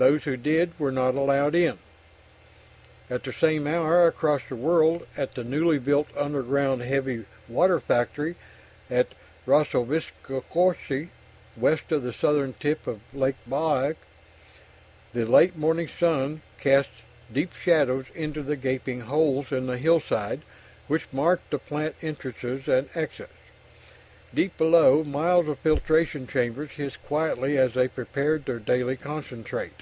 Those who did were not allowed in. At the same hour, across the world at the newly built underground heavy water factory of Rossilovskigorsk, west of the southern tip of Lake Baikal, the late morning sun cast deep shadows into the gaping holes in the hillside which marked the plant entrances and exits. Deep below, miles of filtration chambers hissed quietly as they prepared their deadly concentrate.